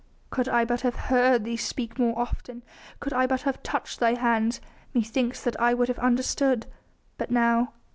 "Could I but have heard Thee speak more often!... Could I but have touched Thy hands, methinks that I would have understood.... But now